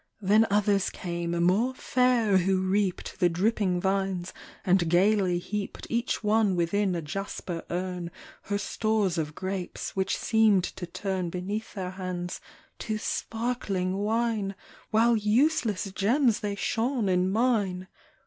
Then others came, more fair, who reaped The dripping vines, and gayly heaped Each one within a jasper urn Her stores of grapes, which seemed to turn Beneath their hands to sparkling wine. While useless gems they shone in mine.